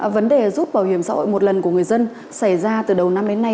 vấn đề rút bảo hiểm xã hội một lần của người dân xảy ra từ đầu năm đến nay